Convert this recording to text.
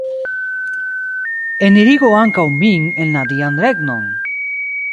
Enirigu ankaŭ min en la Dian regnon!